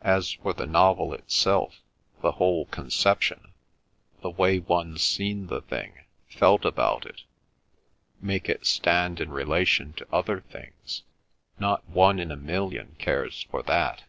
As for the novel itself, the whole conception, the way one's seen the thing, felt about it, make it stand in relation to other things, not one in a million cares for that.